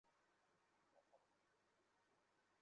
আমাকে ছাড়ো, ফ্যাসটস!